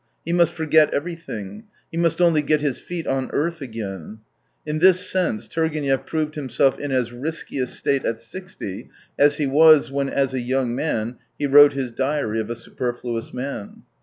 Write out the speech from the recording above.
He must forget everything, he must only get his feet on earth again. In this sense Turgenev proved himself in as risky a state at sixty as he was when, as a young man, he wrote his Diary of a Superfluous Man.